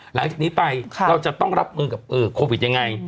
หลังจากนี้ไปเราจะต้องรับมือกับโควิดยังไง